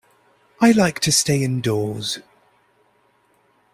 I like to stay indoors.